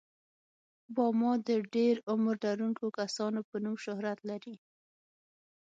باما د ډېر عمر لرونکو کسانو په نوم شهرت لري.